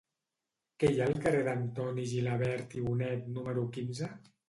Què hi ha al carrer d'Antoni Gilabert i Bonet número quinze?